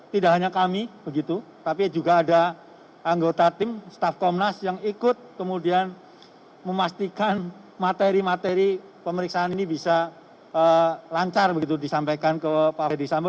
tidak hanya kami begitu tapi juga ada anggota tim staff komnas yang ikut kemudian memastikan materi materi pemeriksaan ini bisa lancar begitu disampaikan ke pak ferdisambo